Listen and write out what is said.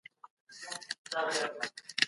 پارلمان ډیپلوماټیکي اړیکي نه پري کوي.